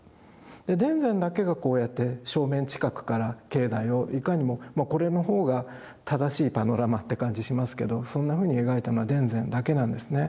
田善だけがこうやって正面近くから境内をいかにもこれの方が正しいパノラマって感じしますけどそんなふうに描いたのは田善だけなんですね。